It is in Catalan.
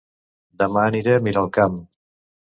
Dema aniré a Miralcamp